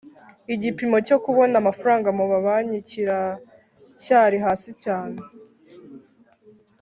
Igipimo cyo kubona amafaranga mu mabanki kiracyari hasi cyane